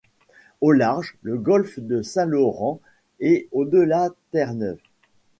Au large, le golfe du Saint-Laurent, et au-delà Terre-Neuve.